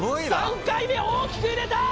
３回目大きく揺れた